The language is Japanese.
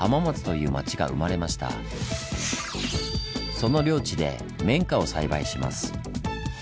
その領地で綿花を栽培します。